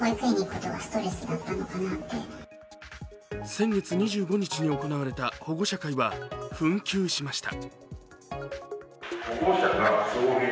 先月２５日に行われた保護者会は紛糾しました。